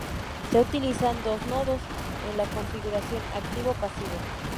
Se utilizan dos nodos en la configuración Activo-Pasivo.